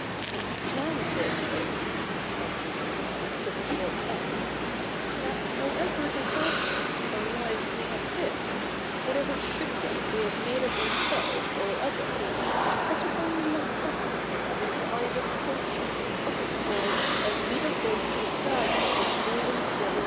And the charm of this is,' Leslie went on, with a short laugh, ' that however disastrous our lives may have been, whatever shipwreck we may have made of ourselves or others, let us only look back on this with the eyes of culture, whilst " es wiederholt die Klage des Lebe}is labyri?